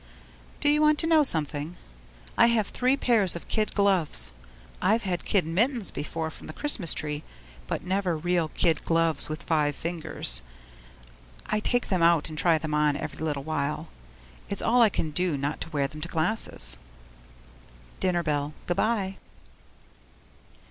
Do you want to know something? I have three pairs of kid gloves. I've had kid mittens before from the Christmas tree, but never real kid gloves with five fingers. I take them out and try them on every little while. It's all I can do not to wear them to classes. (Dinner bell. Goodbye.)